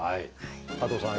加藤さん